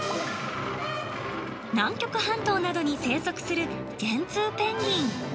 南極半島などに生息するジェンツーペンギン。